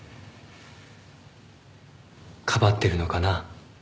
かばってるのかな？